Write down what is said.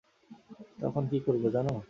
তখন কী করব জানো?